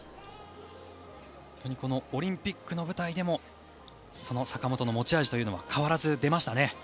本当にこのオリンピックの舞台でもその坂本の持ち味というのは変わらず出ましたね。